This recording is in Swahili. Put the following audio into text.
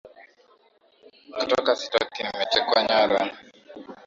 kutoka sitoki nimetekwa nyara